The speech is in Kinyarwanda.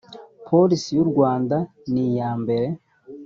polisi y u rwanda niyambere